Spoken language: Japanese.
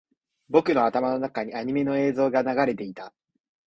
僕の頭の中にアニメの映像が流れていた